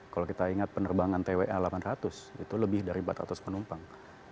kalau kita ingat penerbangan twa delapan ratus itu lebih dari empat ratus penumpang